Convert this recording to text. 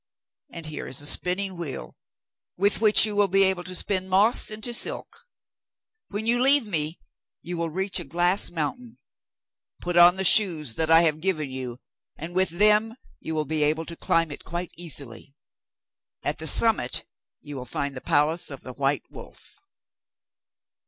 And here is a spinning wheel, with which you will be able to spin moss into silk. When you leave me you will reach a glass mountain. Put on the shoes that I have given you and with them you will be able to climb it quite easily. At the summit you will find the palace of the white wolf.